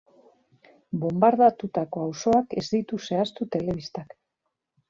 Bonbardatutako auzoak ez ditu zehaztu telebistak.